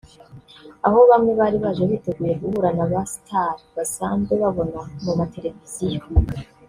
aho bamwe bari baje biteguye guhura n’aba Stars basanzwe babona ku ma televiziyo